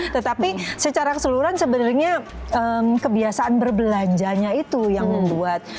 tetapi secara keseluruhan sebenarnya kebiasaan berbelanjanya itu yang membuat